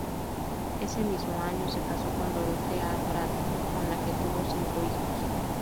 Ese mismo año, se casó con Dorothea Brandt, con la que tuvo cinco hijos.